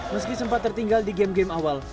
meski sempat tertinggal di game game awal